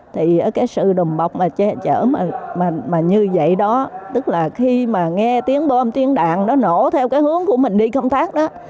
thì cái sự đùm bọc mà che chở mà như vậy đó tức là khi mà nghe tiếng bom tiếng đạn nó nổ theo cái hướng của mình đi công tác đó